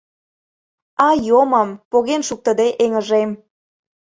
А йомым — поген шуктыде эҥыжем.